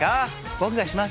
僕がします！